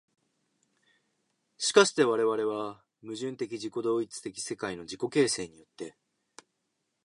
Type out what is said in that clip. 而して我々は矛盾的自己同一的世界の自己形成によって、